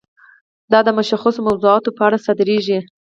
دا د مشخصو موضوعاتو په اړه صادریږي.